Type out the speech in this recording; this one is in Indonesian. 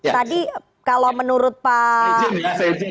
tadi kalau menurut pak